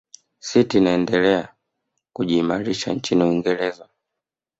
city inaendelea kujiimarisha nchini uingereza